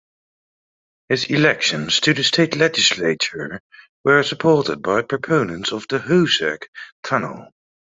His elections to the state legislature were supported by proponents of the Hoosac Tunnel.